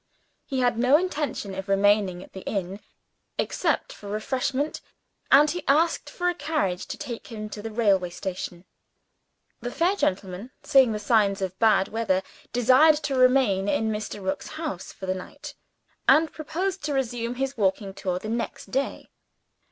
He had no intention of remaining at the inn, except for refreshment; and he asked for a carriage to take him to the railway station. The fair gentleman, seeing the signs of bad weather, desired to remain in Mr. Rook's house for the night, and proposed to resume his walking tour the next day.